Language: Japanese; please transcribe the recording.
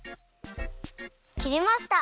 きれました。